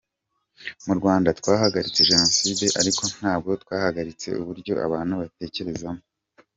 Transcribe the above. Mu Rwanda twahagaritse Jenoside ariko ntabwo twahagaritse uburyo abantu batekerezamo.